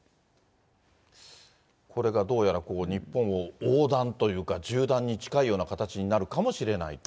これがどうやら日本を横断というか、縦断に近い形になるかもしれないと。